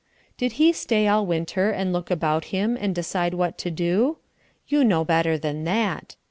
Did he stay all winter and look about him and decide what to do? You know better than that.